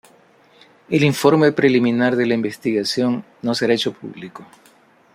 El informe preliminar de la investigación no será hecho público.